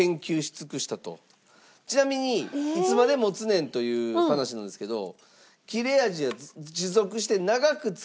ちなみにいつまで持つねんという話なんですけど。